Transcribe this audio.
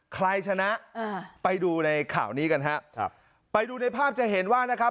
ใครชนะอ่าไปดูในข่าวนี้กันฮะครับไปดูในภาพจะเห็นว่านะครับ